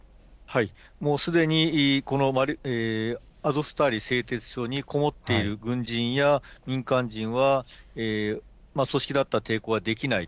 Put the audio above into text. もうすでにアゾフスタリ製鉄所にこもっている軍人や民間人は、組織だった抵抗はできない。